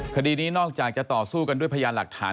คดีนี้นอกจากจะต่อสู้กันด้วยพยานหลักฐาน